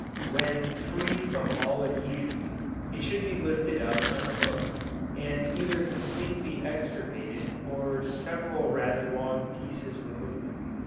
When freed from all adhesions, it should be lifted out on a hook, and either completely extirpated or several rather long pieces removed.